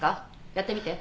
やってみて。